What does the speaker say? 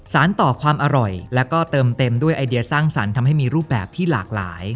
สารต่อความอร่อยแล้วก็เติมเต็มด้วยไอเดียสร้างสรรค์ทำให้มีรูปแบบที่หลากหลาย